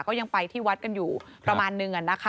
ก็ยังไปที่วัดกันอยู่ประมาณนึง